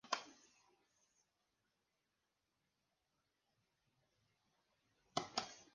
Hijo de Silvano Inostroza Espinoza y Rosa Ester Valenzuela Paredes.